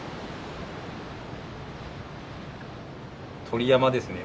鳥山ですね。